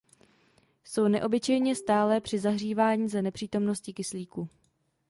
Jsou neobyčejně stálé při zahřívání za nepřítomnosti kyslíku.